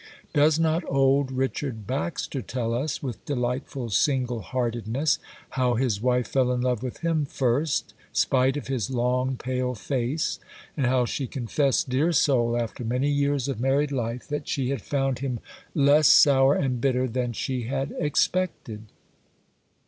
Does not old Richard Baxter tell us, with delightful single heartedness, how his wife fell in love with him first, spite of his long, pale face,—and how she confessed, dear soul, after many years of married life, that she had found him less sour and bitter than she had expected?